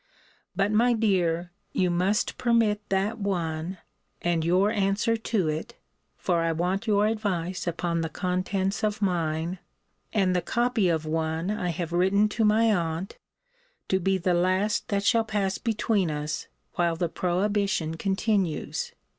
But, my dear, you must permit that one, and your answer to it (for I want your advice upon the contents of mine) and the copy of one I have written to my aunt, to be the last that shall pass between us, while the prohibition continues.